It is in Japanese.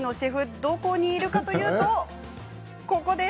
どこにいるかというとここです。